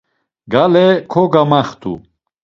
Gale kogamaxt̆u.